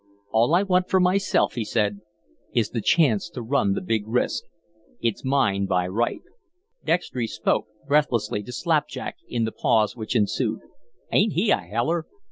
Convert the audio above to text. "All I want for myself," he said, "is the chance to run the big risk. It's mine by right." Dextry spoke, breathlessly, to Slapjack in the pause which ensued: "Ain't he a heller?"